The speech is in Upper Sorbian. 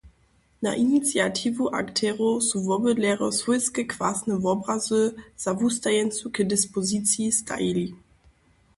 Na iniciatiwu akterow su wobydlerjo swójske kwasne wobrazy za wustajeńcu k dispoziciji stajili.